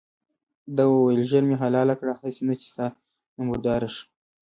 ده وویل ژر مې حلال کړه هسې نه چې ستا نه مردار شم.